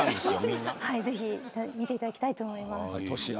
ぜひ見ていただきたいと思います。